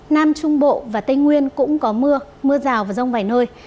nam trung bộ và tây nguyên cũng có mưa mưa rào và rông vài nơi